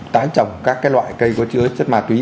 tái trồng các loại cây có chứa chất ma túy